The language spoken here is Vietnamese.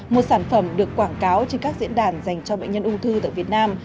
một sản phẩm được quảng cáo trên các diễn đàn dành cho bệnh nhân ung thư tại việt nam